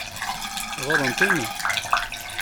Ɣaḍent-ten?